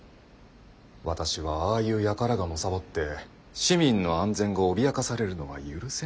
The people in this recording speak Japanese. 私はああいう輩がのさばって市民の安全が脅かされるのは許せないので。